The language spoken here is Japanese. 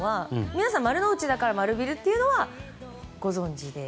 皆さん、丸の内だから丸ビルっていうのはご存じで？